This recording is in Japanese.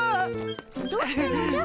どうしたのじゃ？